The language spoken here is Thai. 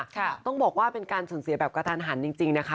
ต้องบอกว่าเป็นการสูญเสียแบบกระทันหันจริงจริงนะคะ